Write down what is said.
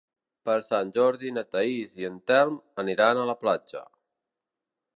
Per Sant Jordi na Thaís i en Telm aniran a la platja.